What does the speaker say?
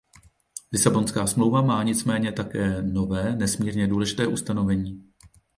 Lisabonská smlouva má nicméně také nové nesmírně důležité ustanovení.